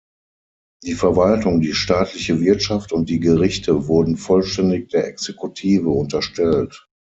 Die Verwaltung, die staatliche Wirtschaft und die Gerichte wurden vollständig der Exekutive unterstellt.